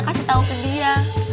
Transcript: kasih tau ke dia